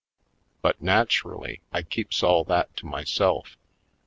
But, naturally, I keeps all that to myself.